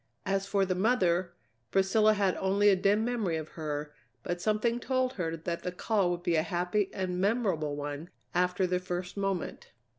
As for the mother, Priscilla had only a dim memory of her, but something told her that the call would be a happy and memorable one after the first moment.